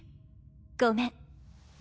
ごめん私。